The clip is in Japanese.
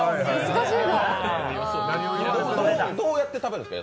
どうやって食べるんですか？